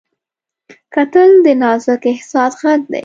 کتل د نازک احساس غږ دی